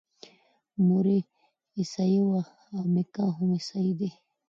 مور یې عیسویه ده او میکا هم عیسوی دی.